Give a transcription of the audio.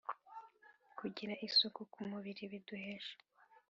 kugira isuku ku mubiri biduhesha